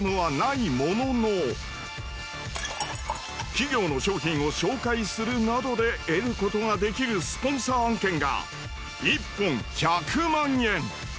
企業の商品を紹介するなどで得ることができるスポンサー案件が１本１００万円。